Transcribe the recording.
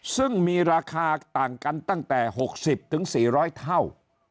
ซึ่งมีราคาต่างกันตั้งแต่๖๐๔๐๐เท่า